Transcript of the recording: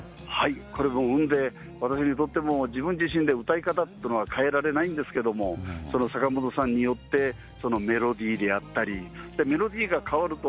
これも運で、私にとっても、自分自身で歌い方というのは変えられないんですけども、坂本さんによってメロディーであったり、メロディーが変わると、